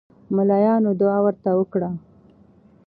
ملاینو دعا ورته وکړه.